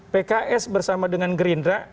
pks bersama dengan gerindra